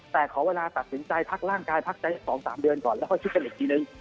แต่ขอเวลาตัดสินใจพักร่างกายพักใจ๒๓เดือนก่อนแล้วค่อยคิดกันอีกทีนึง